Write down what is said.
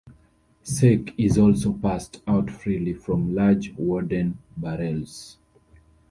Sake is also passed out freely from large wooden barrels.